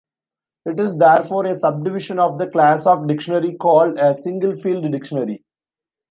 It is therefore a sub-division of the class of dictionary called a single-field dictionary.